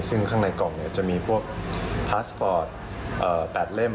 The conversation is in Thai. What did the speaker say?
ซึ่งข้างในกล่องจะมีพวกพาสปอร์ต๘เล่ม